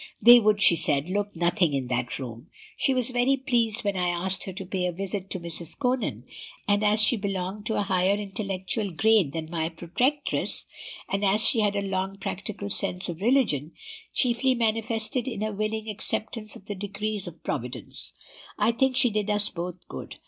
They would, she said, look nothing in that room. She was very pleased when I asked her to pay a visit to Mrs. Conan; and as she belonged to a far higher intellectual grade than my protectress, and as she had a strong practical sense of religion, chiefly manifested in a willing acceptance of the decrees of Providence, I think she did us both good.